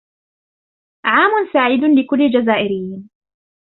عام سعيد لكل الجزائريين.